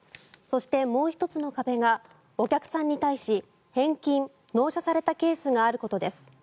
そして、もう１つの壁がお客さんに対し返金、納車されたケースがあることです。